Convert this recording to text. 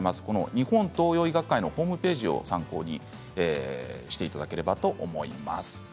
日本東洋医学会のホームページを参考にしていただければと思います。